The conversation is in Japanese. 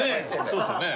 そうですよね。